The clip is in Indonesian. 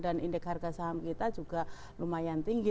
dan indeks harga saham kita juga lumayan tinggi